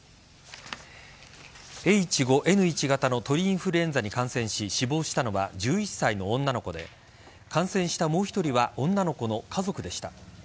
Ｈ５Ｎ１型の鳥インフルエンザに感染し死亡したのは１１歳の女の子で感染したもう１人は女の子の家族でした。